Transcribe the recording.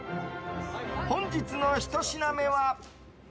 本日の１品目は。